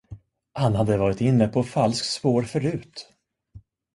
Han hade varit inne på falskt spår förut.